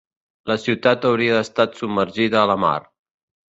La ciutat hauria estat submergida a la mar.